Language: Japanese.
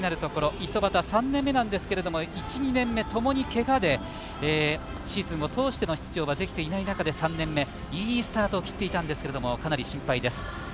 五十幡、３年目なんですが１２年目はともにけがでシーズンを通して出場ができていない中で３年目いいスタートを切っていたんですがかなり心配です。